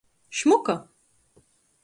Šmuka!